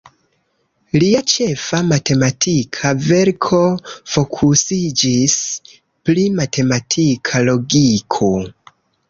Lia ĉefa matematika verko fokusiĝis pri matematika logiko.